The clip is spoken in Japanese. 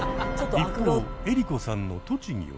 一方江里子さんの栃木は。